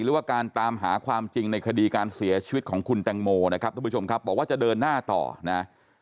หรือว่าการตามหาความจริงในคดีการเสียชีวิตของคุณแตงโมนะครับทุกผู้ชมครับบอกว่าจะเดินหน้าต่อนะ